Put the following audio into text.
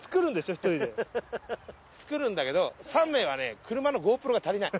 るんだけど３名はね車のＧｏＰｒｏが足りない。